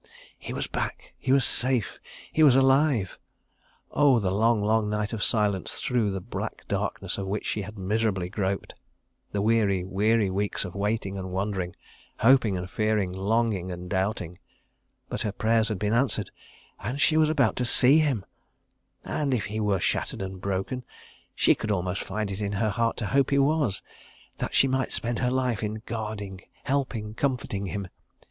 He was back! He was safe! He was alive! Oh, the long, long night of silence through the black darkness of which she had miserably groped! The weary, weary weeks of waiting and wondering, hoping and fearing, longing and doubting! But her prayers had been answered—and she was about to see him. ... And if he were shattered and broken? She could almost find it in her heart to hope he was—that she might spend her life in guarding, helping, comforting him.